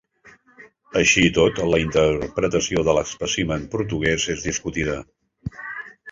Així i tot, la interpretació de l'espècimen portugués és discutida.